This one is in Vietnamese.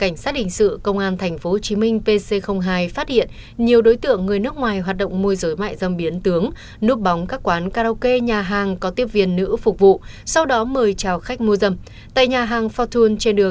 hãy đăng ký kênh để ủng hộ kênh của bạn nhé